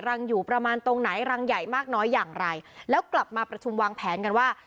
รังอยู่ประมาณตรงไหนรังใหญ่มากน้อยอย่างไรแล้วกลับมาประชุมวางแผนกันว่า